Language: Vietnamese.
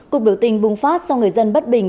cục biểu tình bùng phát sau người dân bất bình